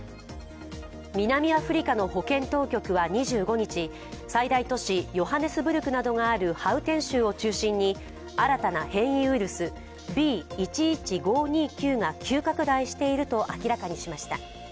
南アフリカの保健当局は２５日最大都市ヨハネスブルクなどがあるハウテン州を中心に新たな変異ウイルスＢ１．１．５２９が急拡大していると明らかにしました。